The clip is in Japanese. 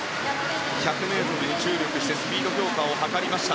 １００ｍに注力してスピード強化を図りました。